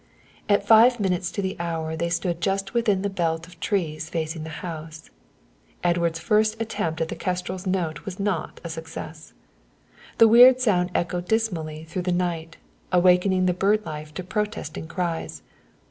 At five minutes to the hour they stood just within the belt of trees facing the house. Edward's first attempt at the kestrel's note was not a success. The weird sound echoed dismally through the night, awaking the bird life to protesting cries.